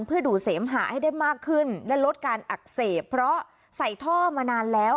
เพื่อดูดเสมหาให้ได้มากขึ้นและลดการอักเสบเพราะใส่ท่อมานานแล้ว